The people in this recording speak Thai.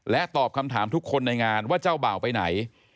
ตอบคำถามทุกคนในงานว่าเจ้าบ่าวไปไหน